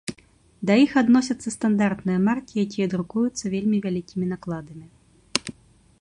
Да іх адносяцца стандартныя маркі, якія друкуюцца вельмі вялікімі накладамі.